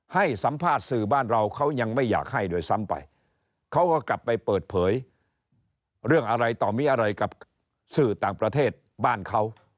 ให้สัมภาษณ์สื่อบ้านเราเขายังไม่อยากให้โดยซ้ำไปเขาก็กลับไปเปิดเผยเรื่องอะไรต่อมีอะไรกับสื่อต่างประเทศบ้านเขา